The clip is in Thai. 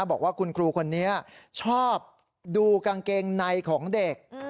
บอกว่าคุณครูคนนี้ชอบดูกางเกงในของเด็ก